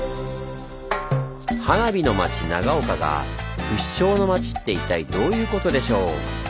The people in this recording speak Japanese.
「花火の町長岡」が「不死鳥の町」って一体どういうことでしょう？